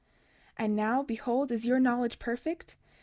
32:34 And now, behold, is your knowledge perfect?